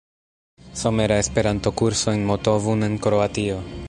Somera Esperanto-Kurso en Motovun en Kroatio.